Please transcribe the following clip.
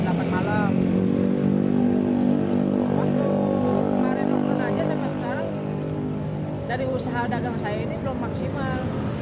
waktu kemarin waktu nanya saya pasang dari usaha dagang saya ini belum maksimal